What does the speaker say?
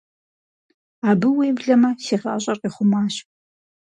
Абы, уеблэмэ, си гъащӀэр къихъумащ.